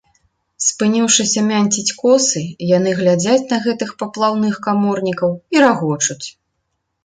Спыніўшыся мянціць косы, яны глядзяць на гэтых паплаўных каморнікаў і рагочуць.